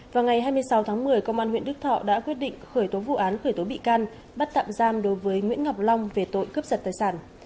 vào ngày hai mươi sáu tháng một mươi công an huyện đức thọ đã quyết định khởi tố vụ án khởi tố bị can bắt tạm giam đối với nguyễn ngọc long về tội cướp giật tài sản